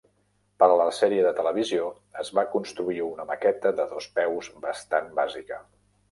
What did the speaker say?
Per a la sèrie de televisió es va construir una maqueta de dos peus bastant bàsica.